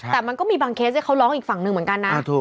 แต่มันก็มีบางเคสที่เขาร้องอีกฝั่งหนึ่งเหมือนกันนะ